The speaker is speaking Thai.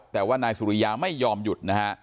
แต่ว่านายสุริยาไม่ยอมหยุดนะฮะ